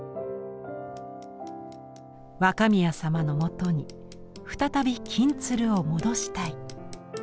若宮様のもとに再び金鶴を戻したい。